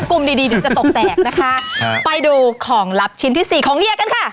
กลุ่มดีดีเดี๋ยวจะตกแตกนะคะไปดูของลับชิ้นที่สี่ของเฮียกันค่ะ